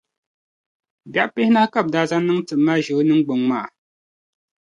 Biɛɣu pihinahi ka bɛ daa zaŋ niŋ tim maa ʒe o niŋgbuŋ maa.